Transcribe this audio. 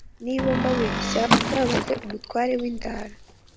niba mbeshya muzabaze umutware w’i ndara